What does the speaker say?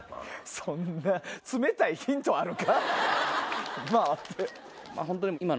そんな冷たいヒントあるか⁉「まぁ」って。